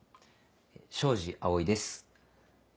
庄司蒼です。